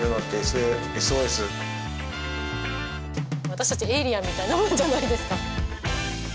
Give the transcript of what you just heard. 私たちエイリアンみたいなもんじゃないですか。